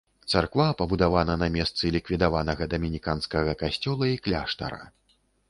Царква пабудавана на месцы ліквідаванага дамініканскага касцёла і кляштара.